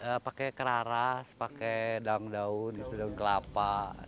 dia pakai keras pakai daun daun itu daun kelapa